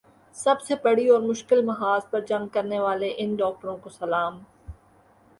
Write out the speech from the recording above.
سب سے بڑی اور مشکل محاذ پر جنگ کرنے والے ان ڈاکٹروں کو سلام